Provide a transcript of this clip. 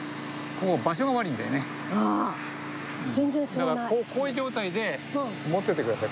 だからこういう状態で持っててください。